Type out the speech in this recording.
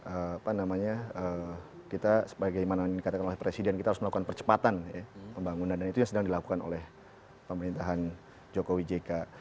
apa namanya kita sebagaimana yang dikatakan oleh presiden kita harus melakukan percepatan pembangunan dan itu yang sedang dilakukan oleh pemerintahan jokowi jk